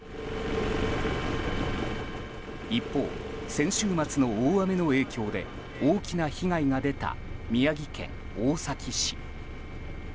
一方、先週末の大雨の影響で大きな被害が出た宮城県大崎市。